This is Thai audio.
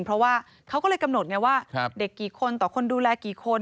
เพราะว่าเขาก็เลยกำหนดไงว่าเด็กกี่คนต่อคนดูแลกี่คน